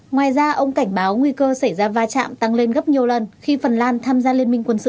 ngoài ra ông cảnh báo nguy cơ xảy ra va chạm tăng lên gấp nhiều lần khi phần lan tham gia liên minh quân sự